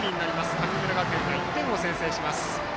神村学園が１点を先制します。